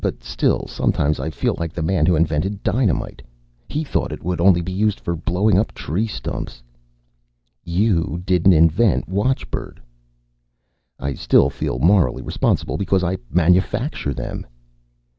"But, still, sometimes I feel like the man who invented dynamite. He thought it would only be used for blowing up tree stumps." "You didn't invent watchbird." "I still feel morally responsible because I manufacture them."